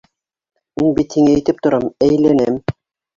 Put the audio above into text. Мин бит һиңә әйтеп торам: әйләнәм!